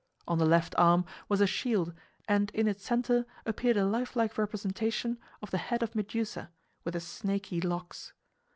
On the left arm was a shield and in its center appeared a lifelike representation of the head of Medusa with the snaky locks.